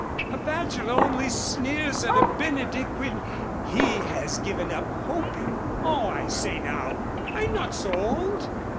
A bachelor only sneers at a Benedick when he has given up hoping " "Oh, I say now I'm not so old."